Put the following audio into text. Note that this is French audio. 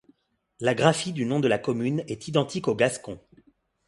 La graphie du nom de la commune est identique en gascon.